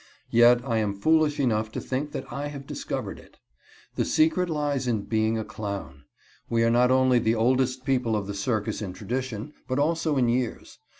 Yet I am foolish enough to think that I have discovered it. The secret lies in being a clown. We are not only the oldest people of the circus in tradition, but also in years.